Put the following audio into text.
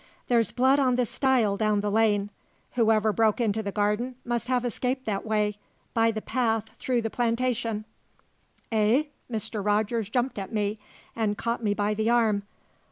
There's blood on the stile down the lane. Whoever broke into the garden must have escaped that way by the path through the plantation " "Eh?" Mr. Rogers jumped at me and caught me by the arm.